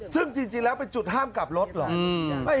ซึ่งจริงแล้วเป็นจุดห้ามกลับรถเหรอ